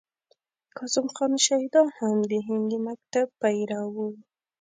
کاظم خان شیدا هم د هندي مکتب پیرو و.